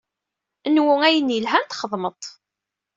Nwu ayen yelhan, txedmeḍ-t.